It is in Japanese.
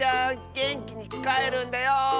げんきにかえるんだよ！